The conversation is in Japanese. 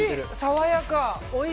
爽やか。